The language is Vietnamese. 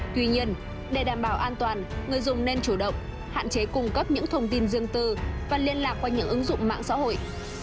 tuy nhiên để đảm bảo an toàn người dùng nên chủ động hạn chế cung cấp những thông tin riêng tư và liên lạc qua những ứng dụng mạng xã hội